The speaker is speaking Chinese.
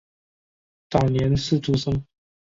早年是诸生。